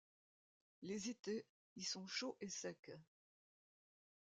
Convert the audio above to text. Les étés y sont chauds et secs.